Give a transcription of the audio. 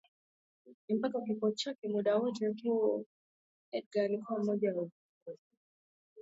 ni mpaka kifo chake Muda wote huu Guver Dzhon Edgar alikuwa mmoja wa viongozi